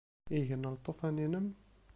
Igen Lṭufan-inem?